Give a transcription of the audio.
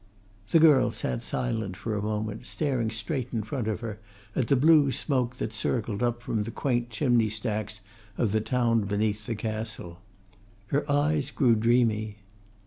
The girl sat silent for a moment, staring straight in front of her at the blue smoke that circled up from the quaint chimney stacks of the town beneath the Castle. Her eyes grew dreamy.